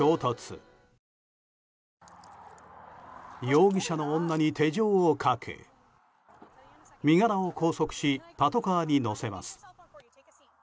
容疑者の女に手錠をかけ身柄を拘束しパトカーに乗せます。